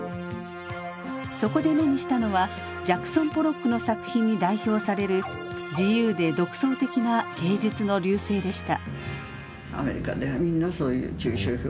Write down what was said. そこで目にしたのはジャクソン・ポロックの作品に代表される自由で独創的な芸術の隆盛でした。